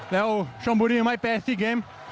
แล้วชมบุริไม่เป็นอาทิตย์เกม